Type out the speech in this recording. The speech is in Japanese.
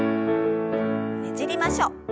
ねじりましょう。